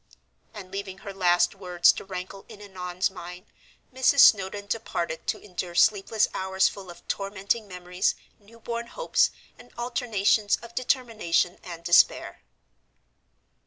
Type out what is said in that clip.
And leaving her last words to rankle in Annon's mind, Mrs. Snowdon departed to endure sleepless hours full of tormenting memories, newborn hopes, and alternations of determination and despair.